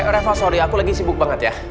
reva sorry aku lagi sibuk banget ya